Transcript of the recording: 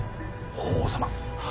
法皇様